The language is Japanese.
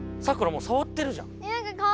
もうさわってるじゃん。